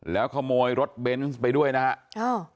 แล้วขโมยรถเบนส์ไปด้วยนะฮะ